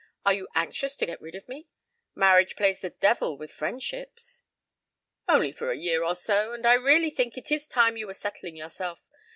Are you anxious to get rid of me? Marriage plays the very devil with friendships." "Only for a year or so. And I really think it is time you were settling yourself.